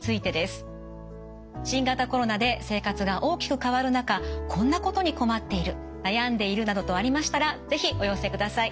新型コロナで生活が大きく変わる中こんなことに困っている悩んでいるなどありましたら是非お寄せください。